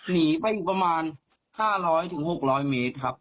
หนีไปอยู่ประมาณ๕๐๐๖๐๐เมตรครับ